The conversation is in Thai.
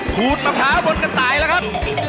ขูดมะพร้าวบนกระต่ายแล้วครับ